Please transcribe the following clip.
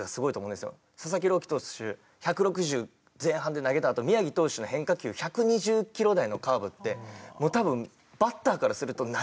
佐々木朗希投手１６０前半で投げたあと宮城投手の変化球１２０キロ台のカーブってもう多分バッターからすると何！？